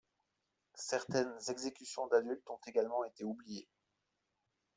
Certaines exécutions d'adultes ont également été oubliées.